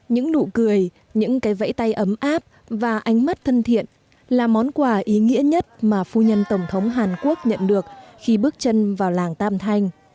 những nụ cười những cái vẫy tay ấm áp và ánh mắt thân thiện là món quà ý nghĩa nhất mà phu nhân tổng thống hàn quốc nhận được khi bước chân vào làng tam thanh